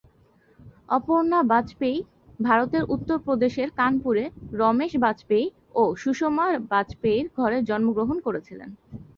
অপর্ণা বাজপেয়ী ভারতের উত্তর প্রদেশের কানপুরে রমেশ বাজপেয়ী ও সুষমা বাজপেয়ীর ঘরে জন্মগ্রহণ করেছিলেন।